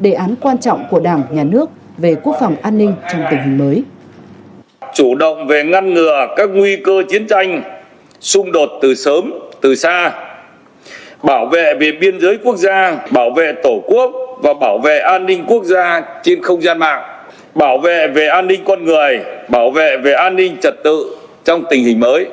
đề án quan trọng của đảng nhà nước về quốc phòng an ninh trong tình hình mới